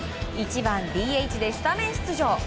１番ＤＨでスタメン出場。